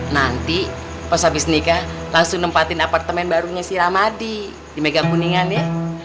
nanti pas habis nikah langsung nempatin apartemen barunya si ramadi di mega kuningan ya